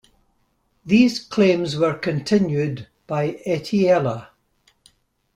These claims were continued by Etteilla.